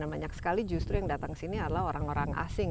dan banyak sekali justru yang datang sini adalah orang orang asing